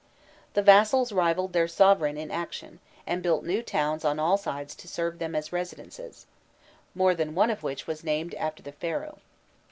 The vassals rivalled their sovereign in activity, and built new towns on all sides to serve them as residences, more than one of which was named after the Pharaoh.